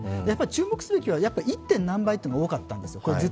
注目すべきは、１．何倍というのが多かったんですよ。